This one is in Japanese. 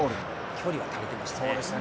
距離は足りていましたね。